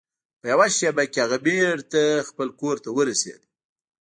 په یوه شیبه کې هغه بیرته خپل کور ته ورسید.